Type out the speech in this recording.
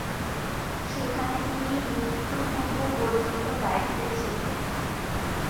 সেখানে তিনি মৃত্যু-পূর্ব পর্যন্ত দায়িত্বে ছিলেন।